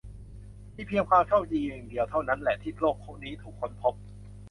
มีเพียงความโชคดีอย่างเดียวเท่านั้นแหละ ที่โลกนี้ถูกค้นพบ